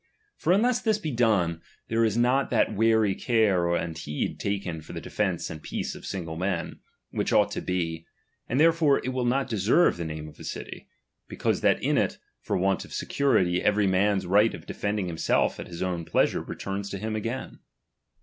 For unless this be done, there is not that wary care and heed taken for the defence and peace of single men, which ought to be ; and therefore it will not deserve the name of a city, be cause that in it, for want of security, every man's right of defending himself at his own pleasure returns to him again.